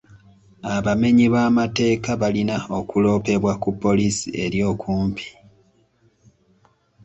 Abamenyi b'amateeka balina okuloopebwa ku poliisi eri okumpi.